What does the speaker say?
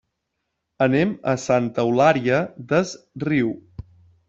Anem a Santa Eulària des Riu.